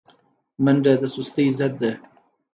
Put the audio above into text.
منډه د سستۍ ضد ده